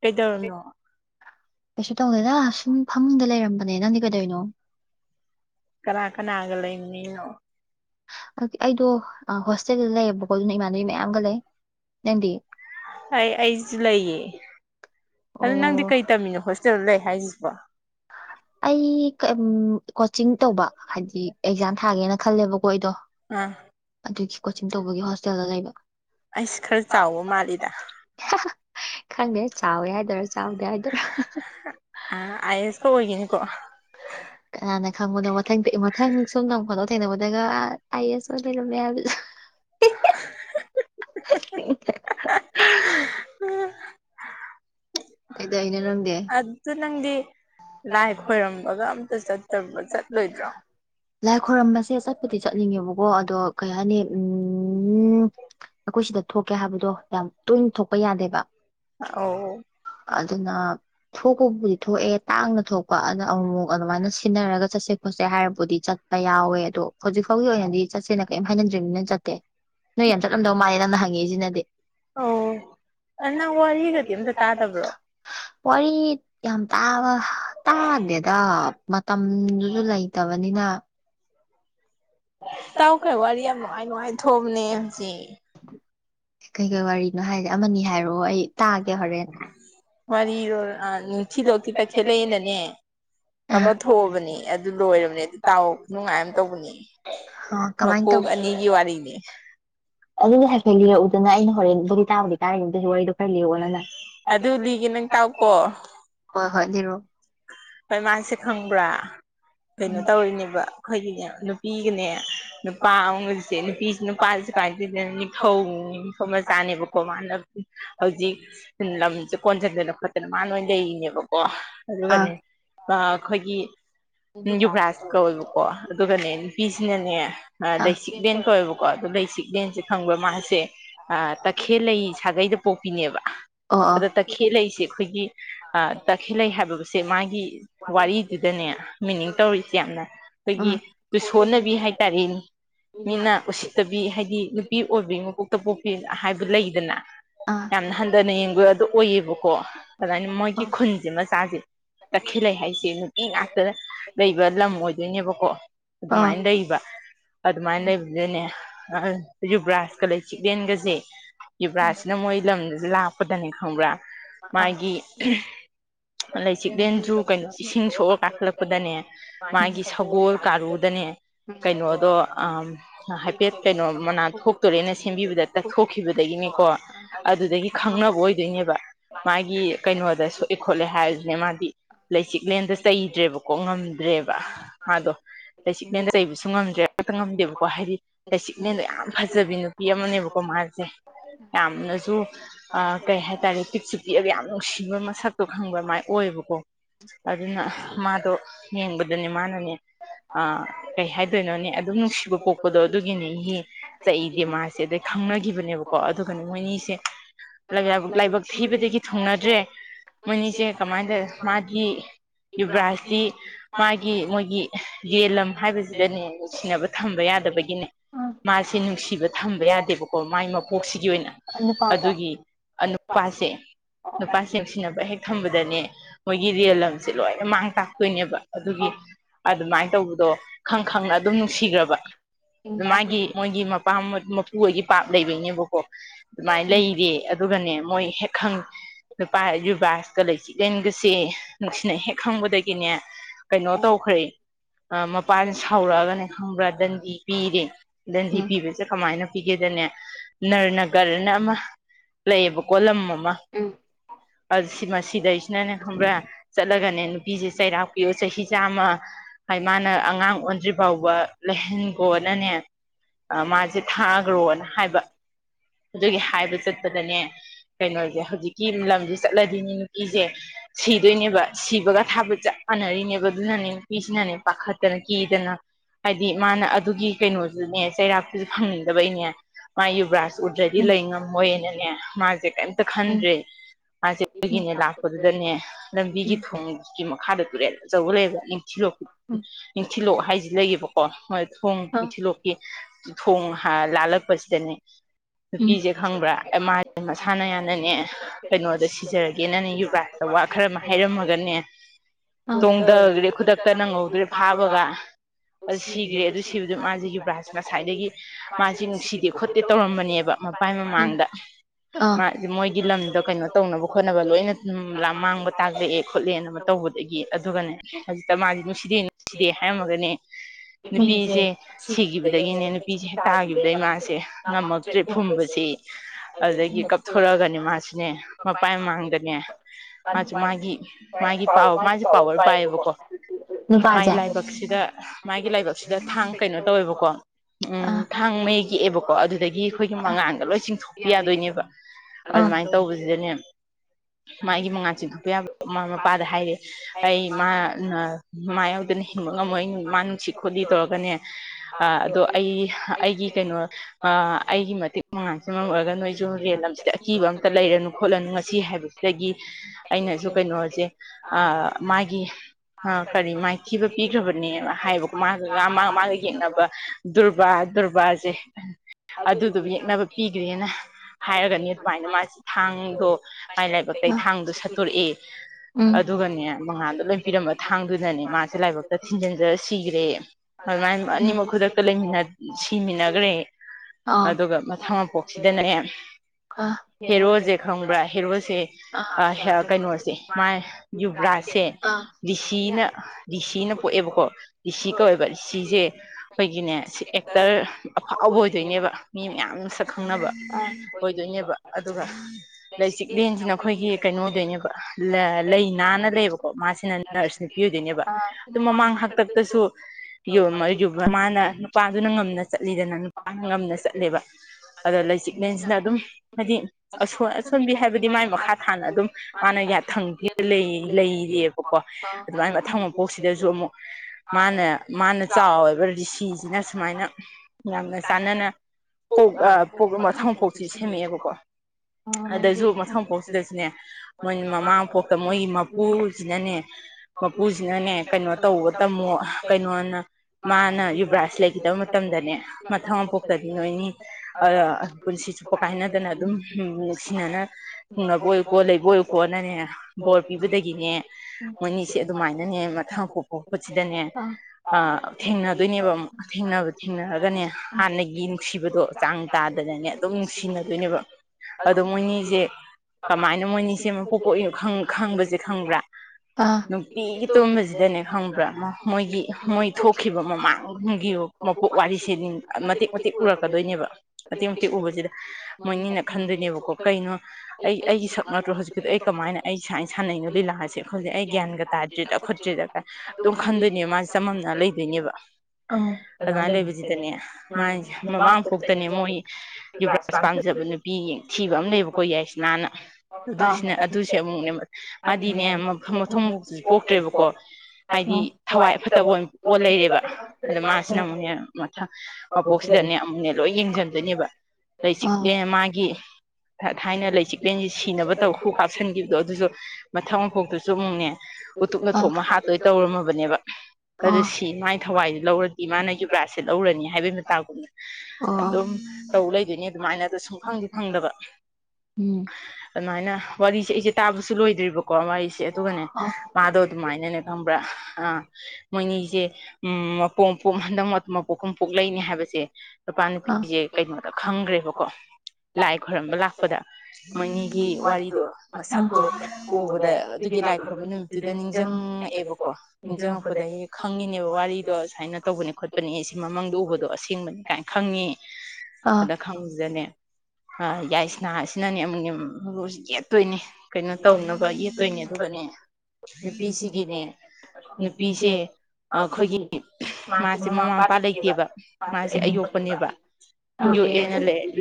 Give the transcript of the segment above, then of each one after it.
ꯀꯩꯗꯧꯔꯅꯣ꯫ ꯀꯩꯁꯨ ꯇꯧꯗꯦꯗ ꯁꯨꯝ ꯐꯃꯨꯡꯗ ꯂꯩꯔꯝꯕꯅꯦ ꯅꯪꯗꯤ ꯀꯩꯗꯣꯏꯅꯣ꯫ ꯀꯅꯥ ꯀꯅꯥꯒ ꯂꯩꯃꯤꯟꯅꯩꯅꯣ꯫ ꯑꯗꯨ ꯑꯩꯗꯣ ꯍꯣꯁꯇꯦꯜꯗ ꯂꯩꯌꯦꯕꯀꯣ ꯑꯗꯨꯅ ꯏꯃꯥꯟꯅꯕꯤ ꯃꯌꯥꯝꯒ ꯂꯩ ꯅꯪꯗꯤ ꯑꯩ ꯑꯩꯁꯨ ꯂꯩꯌꯦ ꯑꯗꯨ ꯅꯪꯗꯤ ꯀꯩ ꯇꯝꯃꯤꯅꯣ ꯍꯣꯁꯇꯦꯜ ꯂꯩ ꯍꯥꯏꯁ ꯁꯤꯕꫭ ꯑꯩ ꯀꯦꯝ ꯀꯣꯆꯤꯡ ꯇꯧꯕ ꯍꯥꯏꯗꯤ ꯑꯦꯛꯖꯥꯝ ꯊꯥꯒꯦꯅ ꯈꯜꯂꯦꯕꯀꯣ ꯑꯩꯗꯣ꯫ ꯑꯗꯨꯒꯤ ꯀꯣꯆꯤꯡ ꯇꯧꯕꯒꯤ ꯍꯣꯁꯇꯦꯜꯗ ꯂꯩꯕ꯫ ꯍꯥ ꯍꯥ ꯈꯪꯗꯦ ꯆꯥꯎꯋꯦ ꯍꯥꯏꯗꯣꯏꯔ ꯆꯥꯎꯗꯦ ꯍꯥꯏꯗꯔ ꯀꯅꯥꯅ ꯈꯪꯕꯗꯣ ꯃꯊꯪ ꯃꯊꯪ ꯁꯨꯝ ꯅꫭꯡ ꯐꯗꫭꯛ ꯊꯦꯡꯅꯕꯗꯒ ꯑꯥꯏ ꯑꯦꯁ ꯑꯣ ꯊꯔꯃꯦ ꯍꯥꯏꯕꯖꯨ [unintelligible] ꯑꯗꯨ ꯅꯪꯗꯤ ꯂꯥꯏ ꯈꯣꯏꯔꯝꯕꯒ ꯑꯝꯇ ꯆꯠ ꯇꯕ꯭ꯔꫭ ꯆꯠꯂꯣꯏꯗ꯭ꯔꯣ꯫ ꯆꯠꯄꯨꯗꯤ ꯆꯠꯅꯤꯡꯉꯦꯕꯀꯣ ꯑꯗꯣ ꯀꯩ ꯍꯥꯏꯅꯤ ꯎꯝ ꯑꯩꯈꯣꯏ ꯁꯤꯗ ꯊꯣꯛꯀꯦ ꯍꯥꯏꯕꯗꯣ ꯌꯥꯝ ꯇꯣꯏꯅ ꯊꯣꯛꯄ ꯌꯥꯗꯦꯕ꯫ ꯑꯣ ꯑꯗꯨꯅ ꯊꯣꯛꯄꯕꯨꯗꯤ ꯊꯣꯛꯑꯦ ꯇꯥꯡꯅ ꯊꯣꯛꯄ ꯑꯗꯨꯅ ꯑꯃꯨꯃꯨꯛ ꯑꯗꯨꯃꯥꯏꯅ ꯁꯤꯟꯅꯔꯒ ꯆꯠꯁꯦ ꯈꯣꯠꯁꯦ ꯍꯥꯏꯔꯕꯨꯗꯤ ꯆꯠꯄ ꯌꯥꯎꯋꯦ ꯑꯗꯣ ꯍꯧꯖꯤꯛ ꯐꯥꯎꯒꯤ ꯑꯣꯏꯅꯗꯤ ꯆꯠꯁꯦꯅ ꯀꯔꯤꯝ ꯍꯥꯏꯅꯟꯗ꯭ꯔꯤꯅꯤꯅ ꯆꯠꯇꯦ ꯅꯣꯏ ꯌꯥꯝ ꯆꯠꯂꯝꯗꯧ ꯃꯥꯜ ꯅꯪꯅ ꯍꯪꯉꯤꯏ ꯁꯤꯅꯗꯤ ꯑꯣ ꯅꯪ ꯋꯥꯔꯤꯒꯗꯤ ꯑꯝꯇ ꯇꯥꯗꯕ꯭ꯔꯣ ꯋꯥꯔꯤ ꯌꯥꯝ ꯇꯥꯕ ꯇꯥꯗꯦꯗ ꯃꯇꯝ ꯗꯨꯁꯨ ꯂꯩꯇꯕꯅꯤꯅ ꯇꯥꯎꯀꯩꯅ ꯋꯥꯔꯤ ꯌꯥꯝ ꯅꯨꯡꯉꯥꯏ ꯅꯨꯡꯉꯥꯏ ꯊꯑꯕꯅꯦ ꯍꯧꯖꯤꯛ ꯀꯩ ꯀꯩ ꯋꯥꯔꯤꯅꯣ ꯍꯥꯏꯁꯦ ꯑꯃꯅꯤ ꯍꯥꯏꯔꯛꯑꯣ ꯑꯩ ꯇꯥꯒꯦ ꯍꯣꯔꯦꯟ ꯋꯥꯔꯤꯔꫭ ꯅꯤꯡꯊꯤ ꯂꫭꯛꯀꯤ ꯇꯈꯦꯠꯂꯩꯅꯅꯦ ꯑꯃ ꯊꯣꯛꯑꯕꯅꯤ ꯑꯗꯨ ꯂꯣꯏꯔꯕꯅꯦ ꯑꯗꯨ ꯇꯥꯎ ꯈꯨꯅꯨꯡꯉꯥꯏ ꯑꯃ ꯇꯧꯕꯅꯦ ꯃꯄꫭꯛ ꯑꯅꯤꯒꯤ ꯋꯥꯔꯤꯅꯤ ꯑꯗꯨꯗꯤ ꯍꯥꯏꯐꯦꯠ ꯂꯤꯔꯛꯎꯗꯅ ꯑꯩꯅ ꯍꯣꯔꯦꯟꯕꯨꯗꯤ ꯇꯥꯕꯨꯗꯤ ꯇꯥꯔꯅꯤ ꯑꯗꯨꯏꯁꯨ ꯋꯥꯔꯤꯗꯣ ꯈꯔ ꯂꯤꯔꯛꯑꯣ ꯅꯪꯅ ꯑꯗꯨꯗꯤ [unintelligible] ꯍꯣꯏ ꯍꯣꯏ ꯂꯤꯔꯣ ꯍꯣꯏ ꯃꯥꯁꯦ ꯈꯪꯕ꯭ꯔ ꯀꯩꯅꯣ ꯇꯧꯔꯤꯅꯦꯕ ꯑꯩꯈꯣꯏꯒꯤꯅꯦ ꯅꯨꯄꯤꯒꯅꯦ ꯅꯨꯄꯥ ꯑꯃꯒꯁꯦ ꯅꯨꯄꯤ ꯅꯨꯄꯥꯁꯦ ꯀꯃꯥꯏꯅ ꯇꯧꯗꯅꯣ ꯅꯤꯡꯊꯧ ꯅꯤꯡꯊꯧ ꯃꯆꯥꯅꯦꯕꯀꯣ ꯃꯥꯅ ꯍꯧꯖꯤꯛ ꯂꯝꯁꯦ ꯀꯣꯟꯁꯤꯟꯗꯅ ꯈꯣꯠꯇꯅ ꯃꯥꯅ ꯑꫭꯏ ꯂꯩꯔꯤꯅꯦꯕꯀꯣ ꯑꯗꯨꯒꯅꯦ ꯑ ꯑꯩꯈꯣꯏꯒꯤ ꯌꯨꯕꯔꯥꯖ ꯀꯧꯋꯦꯕꯀꯣ ꯑꯗꯨꯒꯅꯦ ꯅꯨꯄꯤꯁꯤꯅꯅꯦ ꯂꯩꯁꯤꯛꯂꯦꯟ ꯀꯧꯋꯦꯕꯀꯣ ꯑꯣ ꯂꯩꯁꯤꯛꯂꯦꯟꯁꯦ ꯈꯪꯕ꯭ꯔ ꯃꯥꯁꯦ ꯇꯈꯦꯜ ꯂꯩ ꯁꯥꯒꯩ ꯑꯩꯗ ꯄꯣꯛꯄꯤꯅꯦꯕ ꯑꯗ ꯇꯈꯦꯜꯂꯩꯁꯦ ꯑꯩꯈꯣꯏꯒꯤ ꯇꯈꯦꯜꯂꯩ ꯍꯥꯏꯕꯁꯦ ꯃꯥꯏ ꯒꯤ ꯋꯥꯔꯤꯗꯨꯗꯅꯦ ꯃꯤꯅꯤꯡ ꯇꯧꯔꯤꯁꯤ ꯌꯥꯝꯅ ꯑꯩꯈꯣꯏꯒꯤ ꯇꯨꯁꯣꯟꯅꯕꯤ ꯍꯥꯏꯇꯥꯔꯦ ꯃꯤꯅ ꯎꯁꯤꯠꯇꯕꯤ ꯍꯥꯏꯗꯤ ꯅꯨꯄꯤ ꯑꯣꯏꯕꯤꯒꯤ ꯃꯀꯣꯛꯇ ꯄꯣꯛꯄꯤ ꯍꯥꯏꯕ ꯂꯩꯗꯅ ꯌꯥꯝꯅ ꯍꯟꯊꯅ ꯌꯦꯡꯕ ꯑꯗꯨ ꯑꯣꯏꯌꯦꯕꯀꯣ ꯑꯗꯨꯃꯥꯏꯅ ꯃꯣꯏꯒꯤ ꯈꯨꯟꯁꯦ ꯃꯆꯥꯁꯦ ꯇꯈꯦꯜꯂꯩ ꯍꯥꯏꯁꯦ ꯅꯨꯄꯤ ꯉꯥꯛꯇꯅ ꯂꯩꯕ ꯂꯝ ꯑꯣꯏꯗꯣꯏꯅꯦꯕꯀꯣ ꯑꯗꯨꯃꯥꯏꯅ ꯂꯩꯕ ꯑꯗꯨꯃꯥꯏꯅ ꯂꯩꯕꯗꯨꯅꯦ ꯑ ꯌꯨꯕ꯭ꯔꯥꯖ ꯀ ꯂꯩꯆꯤꯛꯂꯦꯟꯒꯁꯦ ꯌꯕ꯭ꯔꯥꯖꯁꯤꯅ ꯃꯣꯏ ꯂꯝꯗꯨꯗ ꯂꯥꯛꯄꯗꯅꯦ ꯈꯪꯕ꯭ꯔ ꯃꯥꯒꯤ ꯂꯩ ꯆꯤꯛꯂꯦꯟꯖꯨ ꯀꯩꯅꯣ ꯏꯁꯤꯡ ꯁꯣꯛꯑ ꯀꯥꯈꯠꯂꯛꯄꯗꯅꯦ ꯃꯥꯒꯤ ꯁꯒꯣꯜ ꯀꯥꯔꯨꯗꯅꯦ ꯀꯩꯅꯣꯗꯣ ꯍꯥꯏꯐꯦꯠ ꯀꯩꯅꯣ ꯃꯅꯥꯟꯊꯣꯛꯇꯣꯔꯦꯅ ꯁꯦꯝꯕꯤꯕꯗ ꯊꯣꯛꯈꯤꯕꯗꯒꯤ ꯑꯗꯨ ꯈ ꯑꯣꯏꯗꯣꯏꯅꯦ ꯀꯩꯅꯣ ꯈꯣ ꯍꯥꯏ ꯍꯥꯏꯗꯤ ꯂꯩꯆꯤꯛꯂꯦꯟꯗ ꯆꯩꯗ꯭ꯔꯦꯕꯀꯣ ꯉꯝꯗ꯭ꯔꯦꯕ ꯃꯥꯗꯣ ꯂꯩꯆꯛꯂꯦꯟꯗ ꯆꯩꯕꯁꯨ ꯉꯝꯗ꯭ꯔꯦꯠꯇ ꯉꯝꯗꯦꯕꯀꯣ ꯍꯥꯏꯗꯤ ꯂꯩꯆꯛꯂꯦꯟꯗꯣ ꯌꯥꯝ ꯐꯖꯕꯤ ꯅꯨꯄꯤ ꯑꯃꯅꯦꯕꯀꯣ ꯃꯥꯁꯦ ꯌꯥꯝꯅꯁꯨ ꯀꯩ ꯍꯥꯏꯇꯥꯔꯦ ꯄꯤꯛꯁꯨ ꯄꯤꯛꯑꯒ ꯌꯥꯝ ꯅꯨꯡꯁꯤꯕꯒꯤ ꯃꯁꯛꯇꯣ ꯍꯪꯕ ꯃꯥꯏ ꯑꯣꯏꯌꯦꯕꯀꯣ ꯑꯗꯨꯅ ꯃꯥꯗꯣ ꯌꯦꯡꯕꯗꯅꯦ ꯃꯥꯅꯅꯦ ꯑ ꯀꯩ ꯍꯥꯏꯗꯣꯏꯅꯣꯅꯦ ꯑꯗꯨꯝ ꯅꯨꯡꯁꯤꯕ ꯄꯣꯛꯄꯗꯣ ꯑꯗꯨꯒꯤꯅꯦ ꯏ ꯆꯠꯏꯗꯤ ꯃꯥꯁꯦ ꯑꯗꯩ ꯈꯪꯅꯈꯤꯕꯅꯦꯕꯀꯣ ꯑꯗꯨꯒꯅꯦ ꯃꯣꯏꯅꯤꯁꯦ ꯂꯥꯏꯕꯛ ꯊꯤꯕꯗꯒꯤ ꯊꯨꯡꯅꯗ꯭ꯔꯦ ꯃꯅꯤꯁꯦ ꯀꯃꯥꯏꯅ ꯌꯕ꯭ꯔꯥꯥꯁꯇꯁꯤ ꯃꯥꯒꯤ ꯃꯣꯏꯒꯤ ꯌꯦꯟꯂꯝ ꯍꯥꯏꯕꯁꯤꯒꯅꯦ ꯅꯨꯡꯁꯤꯅꯕ ꯊꯝꯕ ꯌꯥꯗꯕꯒꯤꯅꯦ ꯃꯥꯁꯦ ꯅꯨꯡꯁꯤꯕ ꯊꯝꯕ ꯌꯥꯗꯦꯕꯀꯣ ꯃꯥꯏ ꯃꯄꯣꯛꯁꯤꯒꯤ ꯑꯣꯏꯅ ꯑꯗꯨꯒꯤ ꯅꯨꯄꯥꯁꯦ ꯅꯨꯄꯥꯁꯦ ꯅꯨꯡꯁꯤꯅꯕ ꯍꯦꯛ ꯊꯝꯕꯗꯅꯦ ꯃꯣꯏꯒꯤ ꯃꯤꯔꯦꯜꯂꯝꯁꯦ ꯂꯣꯏꯅ ꯃꯥꯡ ꯇꯥꯛꯇꯣꯏꯅꯦꯕ ꯑꯗꯨꯒꯤ ꯑꯗꯨꯃꯥꯏꯅ ꯇꯧꯕꯗꯣ ꯈꯪ ꯈꯪꯅ ꯑꯗꯨꯝ ꯅꯨꯡꯁꯤꯈ꯭ꯔꯕ ꯑꯗꯨ ꯃꯥꯒꯤ ꯃꯣꯏꯒꯤ ꯃꯄꯥ ꯃꯄꯨ ꯑꯣꯏꯒꯤ ꯄꯥꯞ ꯂꯩꯕꯩꯅꯦꯕꯀꯣ ꯑꯗꯨꯃꯥꯏꯅ ꯂꯩꯔꯤ ꯑꯗꯨꯒꯅꯦ ꯃꯣꯏ ꯍꯦꯛ ꯈꯪ ꯅꯨꯄꯥ ꯌꯨꯕꯥꯁꯀ ꯂꯩꯁꯤꯂ ꯁꯤ ꯅꯨꯡꯁꯤꯅ ꯍꯦꯛ ꯈꯪꯕꯗꯒꯤꯅꯦ ꯀꯩꯅꯣ ꯇꯧꯈ꯭ꯔꯦ ꯃꯄꯥꯟꯗ ꯁꯥꯎꯔꯛꯑꯒꯅꯦ ꯈꯪꯕ꯭ꯔꯥ ꯗꯟꯗꯤ ꯄꯤꯔꯦ ꯗꯟꯗꯤ ꯄꯤꯕꯁꯦ ꯀꯃꯥꯏꯅ ꯄꯤꯒꯦꯗ ꯅꯔ ꯅꯒꯔꯅ ꯑꯃ ꯂꯩ ꯂꯩ ꯑꯗꯨ ꯄꯣꯂꯝꯕ ꯁꯤ ꯁꯤꯗꯩꯁꯤꯅꯅꯦ ꯈꯪꯕ꯭ꯔꯥ ꯆꯠꯂꯒꯅꯦ ꯅꯨꯄꯤꯁꯦ ꯆꯩꯔꯥꯛꯄꯤꯤꯌꯣ ꯆꯍꯤ ꯆꯥꯃ ꯍꯥꯏ ꯃꯥꯅ ꯑꯉꯥꯡ ꯑꯣꯟꯗ꯭ꯔꯤ ꯐꯥꯎꯕ ꯂꯩꯍꯟꯈꯣꯅꯅꯦ ꯑ ꯃꯥꯁꯦ ꯊꯥꯈ꯭ꯔꯣꯅ ꯍꯥꯏꯕ ꯑꯗꯨꯒꯤ ꯍꯥꯏꯕ ꯆꯠꯄꯗꯅꯦ ꯀꯩꯅꯣꯁꯦ ꯍꯧꯖꯤꯛꯀꯤ ꯂꯝꯁꯦ ꯆꯠꯂꯗꯤꯣꯏꯅꯤ ꯅꯨꯄꯤꯁꯦ ꯁꯤꯗꯣꯏꯅꯦꯕ ꯁꯤꯕꯒ ꯊꯥꯕ ꯆꯠ ꯃꯥꯟꯅꯔꯤꯅꯦꯕ ꯅꯅꯦꯅꯤ ꯄꯤꯁꯅꯅꯦ ꯄꯈꯔ ꯇꯅ ꯀ ꯇꯅ ꯍꯥꯏꯗꯤ ꯃꯥꯅ ꯑꯗꯨꯒꯤ ꯀꯩꯅꯣꯁꯨꯅꯦ ꯆꯩꯔꯥꯛꯇꯨꯁꯨ ꯐꯪꯅꯤꯡꯗꯕꯩꯅꯦ ꯃꯥ ꯌꯨꯕ꯭ꯔꯥꯖꯋꯨꯗꯗꯤ ꯂꯩ ꯉꯝꯃꯣꯏꯅꯅꯦ ꯃꯥꯁꯦ ꯀꯩꯝꯇ ꯈꯟꯗ꯭ꯔꯦ ꯃꯥꯁꯦ ꯑꯗꯨꯣꯏꯒꯤꯅꯦ ꯂꯥꯛꯄꯗꯨꯗꯅꯦ ꯂꯝꯕꯤꯒꯤ ꯊꯣꯡꯒꯤ ꯃꯈꯥꯗ ꯇꯨꯔꯦꯜꯂꯁ ꯁꯒ ꯂꯩ ꯏ ꯂ ꯏꯊꯤꯜꯂꯣꯛ ꯍꯥꯏꯁꯤ ꯂꯩꯌꯦꯕꯀꯣ ꯍꯣꯏ ꯊꯣꯡ ꯏꯊꯤꯜꯂꯣꯛꯀꯤ ꯊꯣꯡ ꯂꯥꯜꯂꯛꯄꯁꯦ ꯑꯗꯨꯅꯤ ꯅꯨꯄꯤꯁꯦ ꯈꯪꯕ꯭ꯔꯥ ꯑꯦꯃꯥ ꯃꯁꯥꯅ ꯌꯥꯅꯅꯦ ꯀꯩꯅꯣꯗ ꯁꯤꯖꯔꯒꯦꯅꯅꯦ ꯌꯨꯕ꯭ꯔꯥꯏꯁꯇ ꯋꯥꯠꯄ ꯈꯔ ꯑꯃ ꯍꯥꯏꯔꯝꯃꯒꯅꯦ ꯆꯣꯡꯗꯗ꯭ꯔꯦ ꯈꯨꯗꯛꯇ ꯅꯪꯍꯧꯗ꯭ꯔꯦ ꯐꯥꯕꯒ ꯑꯗꯨ ꯁꯤꯈ꯭ꯔꯦ ꯑꯗꯨ ꯁꯤꯕꯗ ꯃꯥꯁꯤꯒꯤ ꯕ꯭ꯔꯥꯟꯁ ꯉꯁꯥꯏꯗꯒꯤ ꯃꯥꯁꯤ ꯅꯨꯡꯁꯤꯗꯦ ꯈꯣꯠꯇꯦ ꯇꯧꯔꯝꯕꯅꯦꯕ ꯃꯄꯥꯥꯏ ꯃꯃꯥꯡꯗ ꯃꯥꯁ ꯃꯣꯏꯒꯤ ꯂꯝꯗ ꯀꯩꯅꯣ ꯇꯧꯅꯕ ꯈꯣꯠꯅꯕ ꯂꯣꯏꯅ ꯂꯥꯛ ꯃꯥꯡꯕ ꯇꯥꯛꯂꯛꯑꯦ ꯈꯣꯠꯂꯦꯅ ꯑꯃ ꯇꯧꯕꯗꯒꯤ ꯑꯗꯨꯒꯅꯦ ꯍꯧꯖꯤꯛꯇ ꯃꯥꯗꯤ ꯅꯨꯡꯁꯤꯗꯦ ꯅꯨꯡꯁꯤꯗꯦ ꯍꯥꯏꯔꯝꯃꯒꯅꯦ ꯅꯨꯄꯤꯁꯦ ꯁꯤꯈꯤꯕꯗꯒꯤꯅꯦ ꯅꯨꯄꯤꯁꯦ ꯍꯦꯛ ꯇꯥꯈꯤꯕꯗꯒꯤ ꯃꯥꯁꯦ ꯉꯝꯃꯛꯇ꯭ꯔꯦ ꯐꯨꯝꯕꯁꯦ ꯑꯗꯨꯗꯒꯤ ꯀꯥꯞꯊꯣꯔꯛꯑꯒꯅꯤ ꯃꯥꯁꯤꯅꯦ ꯃꯄꯥꯟ ꯃꯥꯡꯗꯅꯦ ꯃꯥꯒꯤ ꯃꯥꯒꯤ ꯄꯥꯎ ꯃꯥ ꯁꯤ ꯄꯋꯔ ꯄꯥꯏꯌꯦꯕꯀꯣ ꯃꯥꯏ ꯂꯥꯏꯕꯛꯁꯤꯗ ꯃꯥꯒꯤ ꯂꯥꯏꯕꯛꯁꯤꯗ ꯊꯥꯡ ꯀꯩꯅꯣ ꯇꯧꯋꯦꯕꯀꯣ ꯎꯝ ꯊꯥꯡꯉꯩ ꯛꯑꯦꯕꯀꯣ ꯑꯗꯨꯗꯒꯤ ꯑꯩꯈꯣꯏꯒꯤ ꯃꯉꯥꯡꯗ ꯂꯣꯏ ꯆꯤꯡꯊꯣꯛꯄꯤ ꯌꯥꯗꯣꯏꯅꯦꯕ ꯑꯗꯨꯃꯥꯏꯅ ꯇꯧꯕꯁꯤꯗꯅꯦ ꯍꯥꯏ ꯆꯊꯄꯌꯥꯃꯥ ꯃꯄꯥꯗ ꯍꯥꯏꯔꯦ ꯑꯩ ꯃꯥ ꯃꯥ ꯌꯥꯧꯗꯅ ꯍꯤꯡꯕ ꯉꯝꯃꯣꯏ ꯃꯥ ꯅꯨꯡꯁꯤ ꯈꯣꯠꯂꯤ ꯇꯧꯔꯒꯅꯦ ꯑꯗꯣ ꯑꯩ ꯑꯩꯒꯤ ꯀꯩꯅꯣ ꯑꯩꯒꯤ ꯃꯇꯤꯛ ꯃꯉꯥꯟꯁꯤꯅ ꯃꯔꯝ ꯑꯣꯏꯔꯒ ꯅꯣꯏꯁꯨꯨꯝ ꯔꯦꯟ ꯂꯝꯁꯤꯗ ꯑꯀꯤꯕ ꯑꯝꯇ ꯂꯩꯔꯅꯨ ꯈꯣꯠꯂꯅꯨ ꯉꯁꯤ ꯍꯥꯏꯕꯁꯤꯗꯒꯤ ꯑꯩꯅꯁꯨ ꯀꯩꯅꯣꯁꯦ ꯃꯥꯒꯤ ꯀꯔꯤ ꯃꯥꯏꯊꯤꯕ ꯄꯤꯈ꯭ꯔꯕꯅꯦꯅ ꯍꯥꯏꯕꯀꯣ ꯃꯥꯒ ꯃꯥꯥꯡꯒ ꯌꯦꯡꯅꯕ ꯗꯨꯔꯕꯥꯔ ꯗꯨꯔꯕꯥꯁꯦ ꯑꯗꯨꯗꯨꯕꯨ ꯌꯦꯛꯅꯕ ꯄꯤꯈ꯭ꯔꯦꯅ ꯍꯥꯏꯔꯒꯅꯤ ꯑꯗꯨꯃꯥꯏꯅ ꯃꯥꯁꯤ ꯊꯥꯡꯗꯣ ꯃꯥꯏ ꯂꯥꯏꯕꯛꯇꯩꯒꯤ ꯊꯥꯡꯗꯣ ꯊꯣꯛꯂꯛꯑꯦ ꯑꯗꯨꯒꯅꯦ ꯃꯉꯥꯗꯣ ꯂꯣꯏ ꯄꯤꯔꯝꯕ ꯊꯥꯡꯗꯨꯅꯅꯦ ꯃꯥꯁꯦ ꯂꯥꯏꯕꯛꯇ ꯊꯤꯟꯖꯤꯟꯖꯔ ꯁꯤꯈ꯭ꯔꯦ ꯑꯗꯨꯃꯥꯏꯅ ꯑꯅꯤꯃꯛ ꯈꯨꯗꯛꯇ ꯂꯩꯃꯤ ꯁꯤꯃꯤꯟꯅꯈ꯭ꯔꯦ ꯑꯗꯨꯒ ꯃꯊꯪ ꯃꯄꯣꯛꯁꯤꯗꯅꯦ ꯀꯦꯣ ꯈ ꯀꯩꯅꯣꯁꯦ ꯃꯥ ꯕ꯭ꯔꯥꯁꯁꯦ ꯁꯤꯅ ꯂꯤꯁꯤꯅ ꯄꯣꯛꯑꯦꯕꯀꯣ ꯂꯤꯁꯤ ꯀꯧꯋꯦꯕ ꯂꯤꯁꯤꯁꯦ ꯑꯩꯈꯣꯏꯒꯤꯅꯦ ꯁꯤ ꯑꯦꯛꯇꯔ ꯑꯐꯥꯎꯕ ꯑꯣꯏꯗꯣꯏꯅꯦꯕ ꯃꯤ ꯃꯌꯥꯝ ꯁꯛ ꯈꯪꯅꯕ ꯣꯏꯅꯦꯕ ꯑꯗꯨꯒ ꯂꯩꯆꯤꯛꯂꯦꯟꯁꯤꯅ ꯑꯩꯈꯣꯏꯒꯤ ꯀꯩꯅꯣꯗꯣꯏꯅꯦꯕ ꯂꯩ ꯅꯥꯅ ꯂꯩꯌꯦꯕꯀꯣ ꯃꯥꯁꯤꯅ ꯅꯔꯁ ꯅꯨꯄꯤ ꯑꯣꯏꯗꯣꯏꯅꯦꯕ ꯑꯗꯨ ꯃꯃꯥꯡ ꯍꯥꯛꯇꯛꯇꯁꯨ ꯃꯥꯅ ꯅꯨꯄꯥꯗꯨꯅ ꯉꯝꯅ ꯆꯠꯂꯤꯗꯅ ꯅꯨꯄꯥꯅ ꯉꯝꯅ ꯆꯠꯂꯦꯕ ꯑꯗꯣ ꯂꯩꯆꯤꯛꯂꯦꯟꯁꯤꯅ ꯑꯗꯨꯝ ꯍꯥꯏꯗꯤ ꯑꯁꯣꯟ ꯑꯁꯣꯟꯕꯤ ꯍꯥꯏꯕꯗꯤ ꯃꯥꯏ ꯃꯈꯥ ꯊꯥꯅ ꯑꯗꯨꯝ ꯃꯥꯅ ꯌꯥꯊꯪꯒꯤ ꯂꯩ ꯣ ꯑꯗꯨꯃꯥꯏꯅ ꯃꯊꯪ ꯃꯄꯣꯛ ꯀꯕ ꯔꯤꯁꯤꯁꯤꯅ ꯁꯨꯃꯥꯏꯅ ꯌꯥꯝꯅ ꯆꯥꯟꯅꯅ ꯀꯣꯛ ꯃꯊꯪ ꯄꯣꯛꯆ ꯁꯦꯝꯃꯛꯑꯦꯕꯀꯣ ꯑꯗꯨꯗꯁꯨ ꯃꯊꯪ ꯄꯣꯛꯁꯤꯗꯁꯨꯅꯦ ꯃꯣꯏ ꯃꯃꯥ ꯃ ꯄꯣꯛꯇ ꯃꯣꯏꯒꯤ ꯃꯄꯨꯁꯤꯅꯅꯦ ꯃꯄꯨꯁꯤꯅꯅꯦ ꯀꯩꯅꯣ ꯇꯧꯕ ꯇꯝꯃꯣ ꯀꯩꯅꯣꯅ ꯃꯥꯅ ꯌꯨꯕ꯭ꯔꯥꯥꯁ ꯂꯩꯈꯤꯗꯕ ꯃꯇꯝꯗꯅꯦ ꯃꯊꯪ ꯃꯄꯣꯛꯇꯗꯤ ꯅꯣꯏꯅꯤ ꯄꯨꯟꯁꯤ ꯁꯤꯁꯨ ꯄꯈꯥꯏꯅꯗꯅ ꯑꯗꯨꯝ ꯅꯨꯡꯁꯤꯅꯅ ꯊꯨꯡꯅꯕ ꯑꯣꯏꯀꯣ ꯂꯩꯕ ꯑꯣꯏꯣ ꯀꯣꯟꯅꯅꯦ ꯕꯣꯔ ꯄꯤꯕꯗꯒꯤꯅꯦ ꯃꯣꯏꯅꯤꯁꯦ ꯑꯗꯨꯃꯥꯏꯅꯅꯦ ꯃꯊꯪ ꯄꯣꯛꯄ ꯈꯣꯄꯁꯤꯗꯅꯦ ꯊꯦꯡꯅꯗꯣꯏꯅꯦꯕ ꯊꯦꯡꯅꯕ ꯊꯦꯡꯅꯔꯒꯅꯦ ꯍꯥꯟꯅꯒꯤ ꯅꯨꯡꯁꯤꯕꯗꯣ ꯆꯥꯡ ꯇꯥꯗꯅꯅꯦ ꯑꯗꯨꯝ ꯅꯨꯡꯁꯤꯅꯗꯣꯏꯅꯦꯕ ꯑꯗꯣ ꯃꯣꯏꯅꯤꯁꯦ ꯀꯃꯥꯏꯅ ꯃꯣꯏꯅꯤꯁꯦ ꯃ ꯄꯣꯛ ꯄꯣꯛꯏꯅꯣ ꯈꯪꯕꯁꯦ ꯈꯪꯕ꯭ꯔꯥ ꯅꯨꯡꯇꯤꯒꯤ ꯇꯨꯝꯕꯁꯤꯗꯅꯦ ꯈꯪꯕ꯭ꯔꯥ ꯃꯣꯏꯒꯤ ꯃꯣꯏ ꯊꯣꯛꯈꯤꯕ ꯃꯃꯥꯡꯒꯤ ꯃꯄꯣꯛ ꯋꯥꯔꯤꯁꯤꯗꯤ ꯃꯇꯦꯛ ꯃꯇꯦꯛ ꯎꯔꯛꯀꯗꯣꯏꯅꯦꯕ ꯃꯇꯦꯛ ꯃꯇꯦꯛ ꯎꯕꯁꯤꯗ ꯃꯣꯏꯅꯤꯅ ꯈ ꯣꯏꯅꯦꯕꯀꯣ ꯀꯩꯅꯣ ꯑꯩ ꯑꯩꯒꯤ ꯁꯛ ꯅꯠꯇ꯭ꯔꯣ ꯍꯧꯖꯤꯛꯛꯇꯤ ꯑꯩ ꯀꯃꯥꯏꯅ ꯑꯩ ꯁꯥꯏꯟꯁ ꯁꯥꯟꯅꯩ ꯂꯤꯂꯥꯁꯦ ꯑꯩꯈꯣꯏꯦ ꯑꯩ ꯒ꯭ꯌꯥꯟꯒ ꯇꯥꯗ꯭ꯔꯤꯗ ꯈꯣꯠꯇ꯭ꯔꯤꯗ ꯑꯗꯨꯝ ꯈꯟꯗꯣꯏꯅꯦꯕ ꯃꯥꯁꯦ ꯆꯃꯝꯅ ꯂꯩꯗꯣꯏꯅꯦꯕ ꯑꯗꯨꯃꯥꯏꯅ ꯂꯩꯕꯁꯤꯗꯅꯦ ꯃꯥꯥꯏꯁꯦ ꯃꯃꯥꯡ ꯄꯣꯛꯇꯅꯦ ꯃꯣꯏ ꯌ ꯄꯥꯝꯖ ꯐꯕ ꯅꯨꯄꯤ ꯌꯦ ꯊꯤꯕ ꯑꯃ ꯂꯩꯕꯀꯣ ꯌꯥꯏꯁꯤ ꯅꯥꯅ ꯍ ꯑꯗꯨꯁꯦ ꯑꯃꯨꯛꯅꯦ ꯃꯥꯗꯤꯅꯦ ꯃꯊꯣꯡ ꯃꯕꯨꯨꯁꯨ ꯄꯣꯛꯇ꯭ꯔꯦꯕꯀꯣ ꯍꯥꯏꯗꯤ ꯊꯋꯥꯏ ꯐꯠꯇꯕ ꯑꯣꯏꯅ ꯑꯣ ꯂꯩꯔꯦꯕ ꯑꯗꯣ ꯃꯥꯁꯤꯅ ꯑꯃꯨꯛꯅꯦ ꯃꯄꯣꯛꯁꯤꯗ ꯗꯅꯦ ꯑꯃꯨꯛꯅꯦ ꯂꯣꯏ ꯌꯦꯡꯁꯤꯟꯗꯣꯏꯅꯦꯕ ꯂꯩꯆꯤꯛꯅꯦꯦ ꯃꯥꯒꯤ ꯊꯥꯏꯅ ꯂꯩ ꯆꯤꯛꯂꯦꯟꯁꯤ ꯁꯤꯅꯕ ꯇꯧ ꯍ ꯀꯥꯞꯁꯤꯟꯈꯤꯕꯗꯣ ꯑꯗꯨꯁꯨ ꯃꯊꯪ ꯃꯐꯣꯛꯇꯨꯁꯨ ꯑꯃꯨꯛꯅꯦ ꯎꯇꯨꯞꯅ ꯊꯣꯛꯅ ꯍꯥꯠꯇꯣꯏ ꯇꯧꯔꯝꯃꯕꯅꯦꯕ ꯑꯗꯨ ꯁꯤ ꯃꯥꯥꯏ ꯊꯋꯥꯏꯗꯨ ꯂꯧꯔꯗꯤ ꯃꯥꯅ ꯨꯕ꯭ꯔꯥꯁꯁꯦ ꯂꯧꯔꯅꯤ ꯍꯥꯏꯕꯩ ꯃꯇꯥꯡꯒꯨꯝꯅ ꯑꯗꯨꯝ ꯇꯧ ꯂꯩꯗꯣꯏꯅꯦ ꯑꯗꯨꯃꯥꯏꯅ ꯑꯣ ꯁꯨꯝ ꯈꯪꯗꯤ ꯈꯪꯗꯕ ꯎꯝ ꯑꯗꯨꯃꯥꯏꯅ ꯋꯥꯔꯤꯁꯦ ꯑꯩꯁꯦ ꯇꯥꯕꯁꯨ ꯁꯨ ꯂꯣꯏꯗ꯭ꯔꯤꯕꯀꯣ ꯃꯁꯦ ꯑꯗꯨꯒꯅꯦ ꯃꯥꯗꯣ ꯑꯗꯨꯃꯥꯏꯅꯅꯦ ꯈꯪꯕ꯭ꯔꯥ ꯑꯥ ꯃꯣꯏꯅꯤꯁꯦ ꯎꯝ ꯃꯄꯣꯛꯄꯣꯛ ꯍꯟꯗꯛ ꯃꯄꯣꯛ ꯍꯨꯝꯄꯣꯛ ꯂꯩꯅꯤ ꯍꯥꯏꯕꯁꯦ ꯅꯨꯄꯥ ꯅꯨꯄꯤꯁꯦ ꯀꯩꯅꯣꯗꯪ ꯐꯪꯈ꯭ꯔꯦꯕꯀꯣ ꯂꯥꯏ ꯈꯣꯏꯔꯝꯕ ꯂꯥꯛꯄꯗ ꯃꯣꯏꯅꯤ ꯒꯤ ꯋꯥꯔꯤꯗꯣ ꯃꯁꯛꯇꯣ ꯎꯕꯗ ꯑꯗꯨꯒꯤ ꯂꯥꯏ ꯈꯨ꯭ꯔꯕ ꯅꯨꯃꯤꯠꯇꯨꯗ ꯅꯤꯡꯁꯤꯡꯉꯛꯑꯦꯕꯀꯣ ꯅꯤꯡꯁꯤꯡꯉꯛꯄꯗ ꯍꯦꯛ ꯈꯪꯉꯤꯅꯦꯕ ꯋꯥꯔꯤꯗꯣ ꯁꯨꯃꯥꯏꯅ ꯇꯧꯕꯅꯦ ꯈꯣꯠꯄꯅꯦ ꯁꯤ ꯃꯃꯥꯡꯗꯣ ꯎꯕꯗꯣ ꯑꯁꯦꯡꯕꯅꯤ ꯀꯥꯏꯅ ꯈꯪꯉꯦ ꯑꯗ ꯈꯪꯖꯅꯦ ꯌꯥꯏꯁꯅꯥ ꯑꯁꯤꯅꯅꯦꯒꯤ ꯃꯔꯨꯁꯤ ꯌꯦꯠꯇꯣꯏꯅꯦ ꯀꯩꯅꯣ ꯇꯧꯅꯕ ꯌꯦꯠꯇꯣꯏꯅꯦ ꯑꯗꯨꯒꯅꯦ ꯅꯨꯄꯤꯁꯤꯒꯤꯅꯦ ꯅꯨꯄꯤꯁꯦ ꯑꯩꯈꯣꯏꯒꯤ ꯃꯥꯁꯦ ꯃꯃꯥ ꯃꯄꯥ ꯂꯩꯇꯦꯕ ꯃꯥꯁꯦ ꯑꯌꯣꯛꯄꯅꯦꯕ ꯌꯨ ꯑꯦꯅ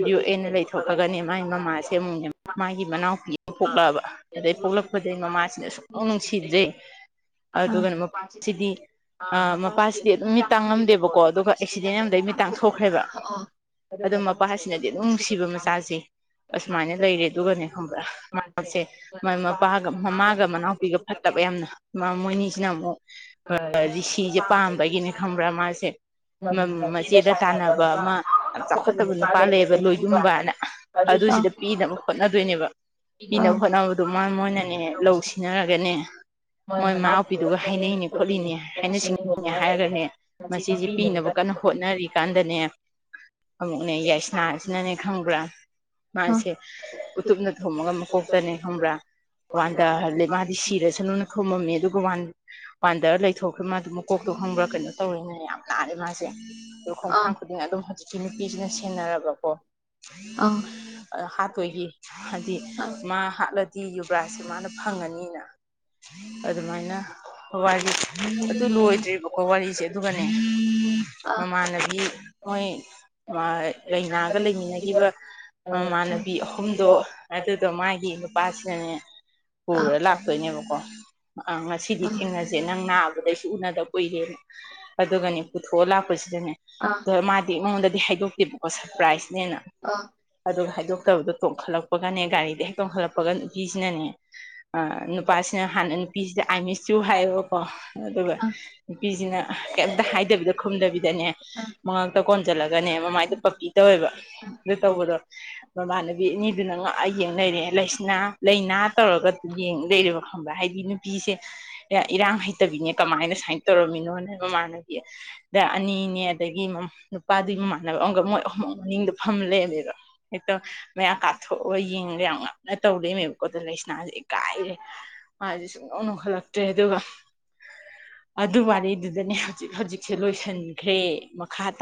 ꯌꯨ ꯑꯦꯅ ꯂꯩꯊꯣꯛꯈꯒꯅꯤ ꯃꯥꯏ ꯃꯃꯥꯁꯦꯃꯨꯡꯁ ꯃꯥꯒꯤ ꯃꯅꯥꯎꯄꯤ ꯑꯃ ꯄꯣꯛꯂꯛꯑꯕ ꯑꯗꯩ ꯄꯣꯛꯂꯛꯄꯗꯒꯤꯩ ꯃꯃꯥꯁꯤꯅ ꯁꯨꯡꯂꯧ ꯅꯨꯡꯁꯤꯖꯩ ꯑ ꯑꯗꯨꯒꯒꯅ ꯃꯁꯤꯗꯤ ꯑ ꯃꯄꯥꯁꯤꯗꯤ ꯑꯗꯨ ꯀ ꯉꯝꯗꯦꯕꯀꯣ ꯑꯗꯨꯒ ꯑꯦꯛꯁꯤꯗꯦꯟ ꯑꯃꯗ ꯑꯩꯅ ꯀꯌꯥ ꯊꯣꯛꯈ꯭ꯔꯦꯕ ꯑ ꯑꯣ ꯃꯄꯥꯁꯤꯅꯗꯤ ꯑꯗꯨꯝ ꯅꯨꯡꯁꯤꯕ ꯃꯆꯥꯁꯦ ꯑꯁꯨꯃꯥꯏꯅ ꯂꯩꯔꯦ ꯑꯗꯨꯒꯅꯦ ꯈꯪꯕꯁꯦ ꯃ ꯃꯄꯥꯒ ꯃꯃꯥꯒ ꯃꯅꯥꯎꯄꯤꯒ ꯐꯠꯇꯕ ꯌꯥꯝꯅ ꯃꯣꯏ ꯑꯅꯤꯁꯤꯅ ꯑꯃꯨꯛ ꯔꯤꯁꯤꯁꯦ ꯄꯥꯝꯕꯒꯤꯅꯦ ꯈꯪꯕ꯭ꯔꯥ ꯃꯥꯁꯦ ꯃꯆꯦꯗ ꯇꯥꯟꯅꯕ ꯑꯃ ꯌꯥꯝ ꯆꯥꯎꯈꯠꯇꯕ ꯅꯨꯄꯥ ꯂꯩꯌꯦꯕ ꯂꯣꯏꯒꯨꯝꯕꯅ ꯑꯗꯨ ꯁꯤꯗ ꯄꯤꯅꯕ ꯍꯣꯠꯅꯕ ꯄꯤꯅꯕ ꯈꯣꯠꯅꯕꯗꯣ ꯃꯥ ꯃꯣꯏꯅꯅꯦ ꯂꯧ ꯁꯤꯟꯅꯔꯒꯅꯦ ꯃꯣꯏ ꯃꯅꯥꯎꯄꯤꯗꯨꯒ ꯍꯥꯏꯅꯩꯅꯤ ꯈꯣꯠꯂꯤꯅꯦ ꯍꯥꯏꯅ ꯁꯤꯡꯅꯤꯡꯉꯦ ꯍꯥꯏꯔꯒꯅꯦ ꯃꯁꯤꯁ ꯄꯤꯅꯕ ꯀ ꯀꯟꯅ ꯍꯣꯠꯅꯔꯤꯀꯥꯟꯗꯅꯦ ꯑꯃꯨꯛ ꯌꯥꯏꯁꯅꯥꯁꯤꯅꯅꯦ ꯈꯪꯕ꯭ꯔꯥ ꯃꯥꯁꯦ ꯎꯇꯨꯞꯅ ꯊꯣꯃꯒ ꯃꯀꯣꯛꯇꯅꯦ ꯈꯪꯕ꯭ꯔꯥ ꯋꯥꯟꯗꯍꯜꯂꯦ ꯃꯥꯗꯤ ꯁꯤꯔꯁꯅꯨꯅ ꯈꯨꯝꯃꯝꯃꯦ ꯑꯗꯨꯒ ꯋꯥ ꯋꯥꯟꯗ ꯂꯩꯊꯣꯛꯈ꯭ꯔꯦ ꯃꯥ ꯀꯣꯛ ꯈꯪꯕ꯭ꯔꯥ ꯀꯩꯅꯣ ꯇꯧꯔꯔꯤꯅꯤꯅ ꯌꯥꯝ ꯂꯥꯔꯦ ꯃꯥꯁꯦ ꯑꯗꯣ ꯈꯣꯡꯊꯥꯡ ꯈꯨꯗꯤꯡꯅ ꯑꯗꯨꯝ ꯍꯧꯖꯤꯛꯀꯤ ꯅꯨꯄꯤ ꯃꯤꯁꯤꯅ ꯁꯦꯟꯅꯔꯕꯀꯣ ꯍꯥꯠꯇꯣꯏꯒꯤ ꯍꯥꯏꯗꯤ ꯃꯥ ꯍꯥꯠꯂꯗꯤ ꯌꯨꯕ꯭ꯔꯥꯁꯦ ꯃꯥꯅ ꯐꯪꯉꯅꯤꯅ ꯑꯗꯨꯃꯥꯏꯅ ꯋꯥꯔꯤ ꯑꯗꯨ ꯂꯣꯏꯗ꯭ꯦꯔꯤꯕꯀꯣ ꯋꯥꯔꯤꯁꯦ ꯑꯗꯨꯒꯅꯦ ꯃꯃꯥꯟꯗꯒꯤ ꯃꯣꯏ ꯂꯥꯏꯅꯥꯒ ꯂꯩꯃꯤꯟꯅꯈꯤꯕ ꯃꯃꯥꯟꯅꯕꯤ ꯑ ꯌꯨꯝꯗꯣ ꯑꯗꯨꯗꯣ ꯃꯥꯒꯤ ꯅꯨꯄꯥꯁꯤꯅꯅꯦ ꯀꯨꯔ ꯂꯥꯛꯄꯅꯤꯀꯣ ꯑ ꯊꯦꯡꯅꯁꯦ ꯅꯪ ꯅꯥꯕꯗꯩꯁꯨ ꯎꯅꯗꯕ ꯀ ꯎꯏꯔꯦꯅ ꯑꯗꯨꯒꯅꯦ ꯄꯨꯊꯣꯛꯑ ꯂꯥꯛꯄꯁꯤꯗꯅꯦ ꯑ ꯃꯥꯗꯤ ꯑꯩꯉꯣꯟꯗꯗꯤ ꯍꯥꯏꯗꯣꯛꯇꯦꯕꯀꯣ ꯁꯔꯄ꯭ꯔꯥꯏꯖꯅꯦꯅ ꯑꯗꯨꯒ ꯍꯥꯏꯗꯣꯛꯇꯕꯗꯣ ꯇꯣꯡꯈꯠꯂꯛꯄꯒꯅꯦ ꯒꯥꯔꯤꯗ ꯍꯦꯛ ꯇꯣꯡꯈꯠꯂꯛꯄꯒ ꯅꯨꯄꯤꯁꯤꯅꯅꯦ ꯅꯨꯄꯥꯁꯤꯅ ꯍꯥꯟꯅ ꯅꯨꯄꯤꯁꯤꯗ ꯑꯥꯏ ꯃꯤꯁ ꯁꯨ ꯍꯥꯏꯔꯛꯑꯣꯀꯣ ꯑꯗꯨꯒ ꯅꯨꯄꯤꯁꯤꯅ ꯀꯩꯝꯇ ꯍꯥꯏꯗꯕꯤꯗ ꯈꯨꯝꯗꯕꯤꯗꯅꯦ ꯃꯉꯥꯛꯛꯇ ꯀꯣꯟꯁꯤꯜꯂꯒꯅꯦ ꯃꯃꯥꯏꯗꯣ ꯄꯞꯄꯤ ꯇꯧꯋꯦꯕ ꯑꯗꯨ ꯇꯧꯕꯗꯣ ꯃꯃꯥꯅ ꯅꯤꯗꯨꯅ ꯉꯥꯛ ꯌꯦꯡꯅꯔꯦ ꯂꯥꯏꯁꯅꯥ ꯂꯥꯏꯅꯥ ꯇꯧꯔꯒ ꯌꯦꯡ ꯂꯩꯔꯦꯕ ꯈꯪꯕ꯭ꯔ ꯍꯥꯏꯗꯤ ꯅꯨꯄꯤꯁ ꯑꯦ ꯏꯔꯥꯡ ꯍꯩꯇꯕꯤꯅꯦ ꯀꯃꯥꯏꯅ ꯁꯨꯃꯥꯏꯅ ꯇꯧꯔꯝꯃꯤꯅꯣꯅꯦ ꯃꯃꯥꯟꯅꯕꯤ ꯗ ꯑꯅꯤꯅꯦ ꯑꯗꯒꯤ ꯅꯨꯄꯥꯗꯨꯒꯤ ꯃꯃꯥꯟꯅꯕ ꯑꯃꯒ ꯃꯣꯏ ꯑꯍ ꯃꯅꯤꯡꯗꯣ ꯐꯝ ꯂꯩꯃꯦꯕ ꯍꯦꯛꯇ ꯀꯥꯞꯊꯣꯛꯑ ꯌꯦꯡꯉꯦ ꯌꯥꯝ ꯉꯥꯛꯅ ꯇꯧꯔꯅꯦꯕꯀꯣ ꯑꯗꯨ ꯂꯥꯏꯁꯅꯥꯁꯦ ꯀꯥꯏꯔꯦ ꯃꯥꯁꯦ ꯁꯨꯝꯅꯣꯛꯅꯣꯛꯈꯠꯂꯛꯇ꯭ꯔꯦ ꯑꯗꯨꯒ ꯑꯗꯨ ꯋꯥꯔꯤꯗꯨꯗꯅꯦ ꯍꯧꯖꯤꯛ ꯍꯧꯖꯤꯛꯁꯦ ꯂꯣꯏꯁꯤꯟꯈ꯭ꯔꯦ ꯃꯈꯥ ꯇꯥ